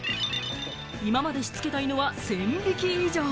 今までしつけた犬は１０００匹以上。